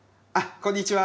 こんにちは。